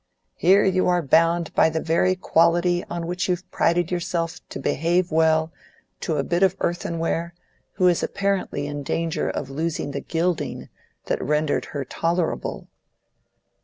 Here you are bound by the very quality on which you've prided yourself to behave well to a bit of earthenware who is apparently in danger of losing the gilding that rendered her tolerable."